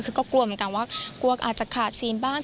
คือก็กลัวเหมือนกันว่ากลัวอาจจะขาดซีนบ้าง